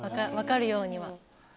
分かるようには。